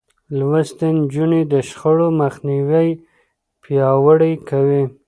لوستې نجونې د شخړو مخنيوی پياوړی کوي.